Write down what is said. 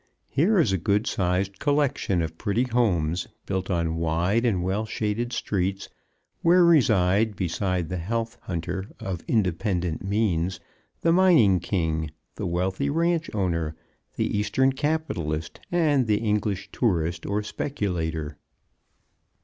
Here is a good sized collection of pretty homes, built on wide and well shaded streets, where reside beside the health hunter of independent means the mining king, the wealthy ranch owner, the Eastern capitalist, and the English tourist or speculator.